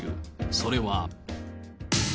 それは。